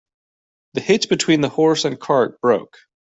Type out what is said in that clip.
The hitch between the horse and cart broke.